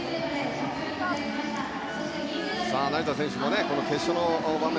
成田選手もこの決勝の場面